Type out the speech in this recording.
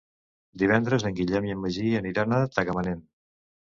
Divendres en Guillem i en Magí aniran a Tagamanent.